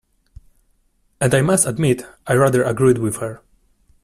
And I must admit I rather agreed with her.